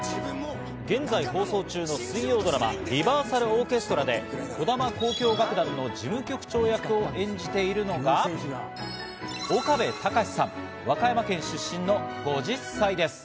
現在、放送中の水曜ドラマ『リバーサルオーケストラ』で児玉交響楽団の事務局長役を演じているのが、岡部たかしさん、和歌山県出身の５０歳です。